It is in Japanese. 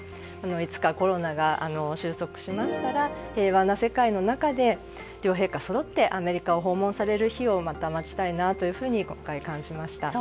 いつかコロナが終息しましたら平和な世界の中で両陛下そろってアメリカを訪問される日をまた待ちたいなと感じました。